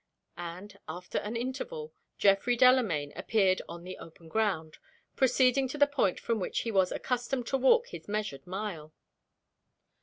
and, after an interval, Geoffrey Delamayn appeared on the open ground, proceeding to the point from which he was accustomed to walk his measured mile.